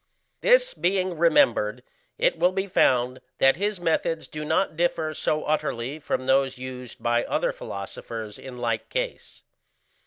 This being remembered, it will be found that his methods do not differ so utterly from those used by other philosophers in like case.